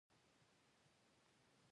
پښتو زموږ مورنۍ ژبه ده .